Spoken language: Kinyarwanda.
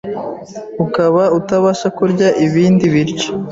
ukaba utabasha kurya ibindi biryo